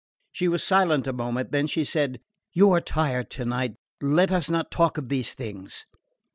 She was silent a moment; then she said: "You are tired tonight. Let us not talk of these things."